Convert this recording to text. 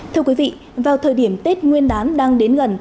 thưa quý vị vào thời điểm tết nguyên đán đang đến gần